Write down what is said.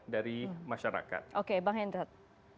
dari masyarakat oke bang hendra